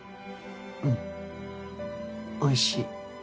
うんおいしい。